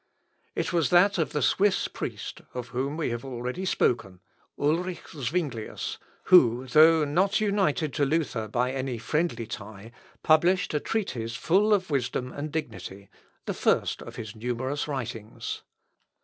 It was that of the Swiss priest, of whom we have already spoken, viz., Ulrich Zuinglius, who, though not united to Luther by any friendly tie, published a treatise full of wisdom and dignity, the first of his numerous writings.